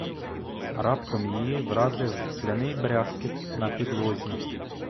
Раптом її вразив скляний брязкіт на підлозі.